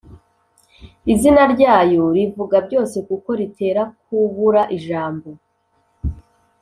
Izina ryayo rivuga byose Kuko ritera kubura ijambo